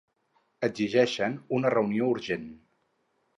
Exigeixen una reunió urgent.